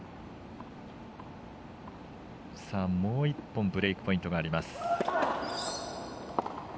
もう１本ブレークポイントがあります。